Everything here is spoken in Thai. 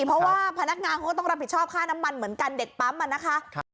เพราะว่าพนักงานเขาก็ต้องรับผิดชอบค่าน้ำมันเหมือนกันเด็กปั๊มอ่ะนะคะ